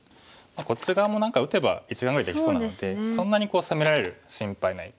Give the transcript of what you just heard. こっち側も何か打てば１眼ぐらいできそうなのでそんなに攻められる心配ない。